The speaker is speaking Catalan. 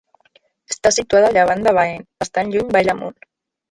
Està situada a llevant de Baén, bastant lluny vall amunt.